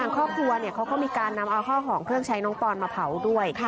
ครอบครัวเขาก็มีการนำเอาข้าวของเครื่องใช้น้องปอนมาเผาด้วย